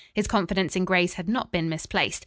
His confidence in Grace had not been misplaced.